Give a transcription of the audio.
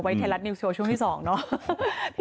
ไวทัลลัทนิวโชว์ช่วงที่๒เนอะ